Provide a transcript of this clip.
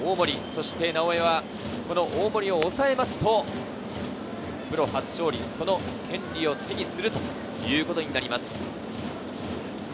そして直江は大盛を抑えると、プロ初勝利、その権利を手にするということになります。